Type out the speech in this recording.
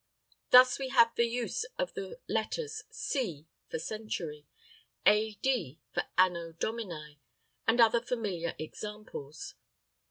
Thus we have the use of the letters "C" for century; "A. D." for Anno Domini, and other familiar examples.